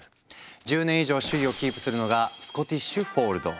１０年以上首位をキープするのが「スコティッシュ・フォールド」。